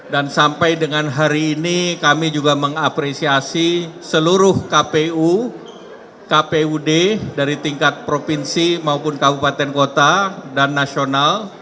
dan sampai dengan hari ini kami juga mengapresiasi seluruh kpu kpud dari tingkat provinsi maupun kabupaten kota dan nasional